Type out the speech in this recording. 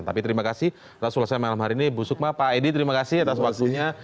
tapi terima kasih atas ulasannya malam hari ini bu sukma pak edi terima kasih atas waktunya